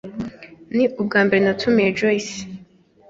Ni ubwambere natumiye Joyce.